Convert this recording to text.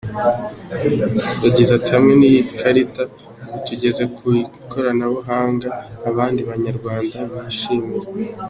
Yagize ati “ Hamwe n’iyi karita, ubu tugeze ku ikoranabuhanga abandi banyarwanda bishimira”.